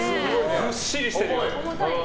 ずっしりしてるよ。